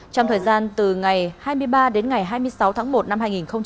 trong thời gian từ ngày hai mươi ba đến ngày hai mươi sáu tháng một năm hai nghìn hai mươi